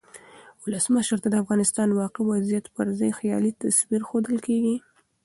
ولسمشر ته د افغانستان واقعي وضعیت پرځای خیالي تصویر ښودل کیږي.